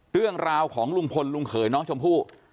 เรื่องราวของลุงพลลุงเขยน้องชมพู่